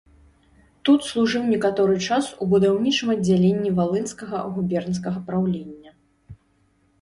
Тут служыў некаторы час у будаўнічым аддзяленні валынскага губернскага праўлення.